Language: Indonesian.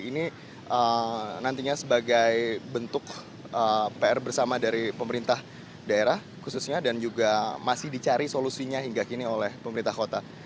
ini nantinya sebagai bentuk pr bersama dari pemerintah daerah khususnya dan juga masih dicari solusinya hingga kini oleh pemerintah kota